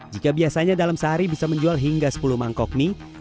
jika biasanya dalam sehari bisa menjual hingga sepuluh mangkok mie